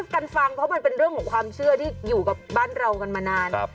กันฟังเพราะมันเป็นเรื่องของความเชื่อที่อยู่กับบ้านเรากันมานาน